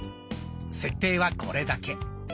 設定はこれだけ。